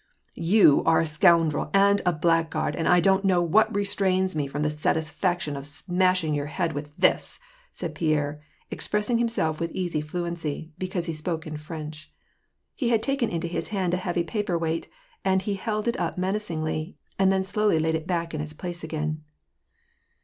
" You are a scoundrel and a blackguard, and I don't know what restrains me from the satisfaction of smashing your head with this," said Pierre, expressing himself with easy fluency, because he spoke in French. He had taken into his hand a heavy paper weight, and he held it up menacingly, and then slowly laid it back in its place again.